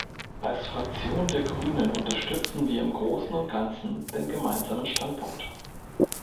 Als Fraktion der Grünen unterstützen wir im großen und ganzen den Gemeinsamen Standpunkt.